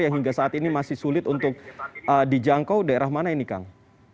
yang hingga saat ini masih sulit untuk dijangkau daerah mana ini kang